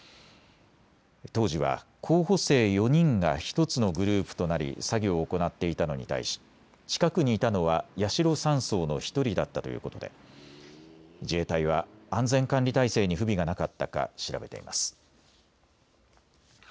当時は候補生４人が１つのグループとなり作業を行っていたのに対し近くにいたのは八代３曹の１人だったということで自衛隊は安全管理態勢に不備がなかったか調べています。